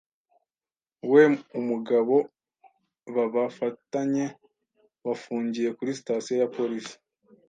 we’umugabo babafatanye bafungiye kuri sitasiyo ya polisi